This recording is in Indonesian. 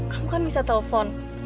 kamu kan bisa telepon